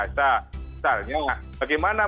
misalnya bagaimana mengkonstruksikan tanggung jawab